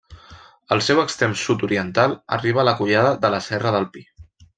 El seu extrem sud-oriental arriba a la Collada de la Serra del Pi.